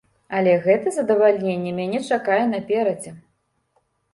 Але гэта задавальненне мяне чакае наперадзе.